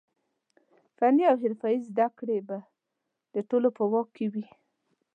فني او حرفوي زده کړې به د ټولو په واک کې وي.